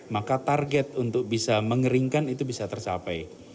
maka target untuk bisa mengeringkan itu bisa tercapai